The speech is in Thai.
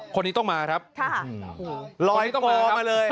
คนนี้ต้องมานะครับค่า